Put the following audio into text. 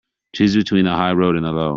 Choose between the high road and the low.